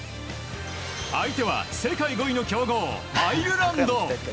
相手は世界５位の強豪アイルランド。